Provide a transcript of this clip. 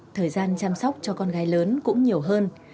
anh sang chăm sóc cho con gái lớn cũng nhiều hơn